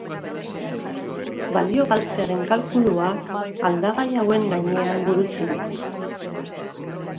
Balio-galtzearen kalkulua aldagai hauen gainean burutzen da.